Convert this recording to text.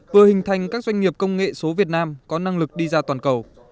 vừa hình thành các doanh nghiệp công nghệ số việt nam có năng lực đi ra toàn cầu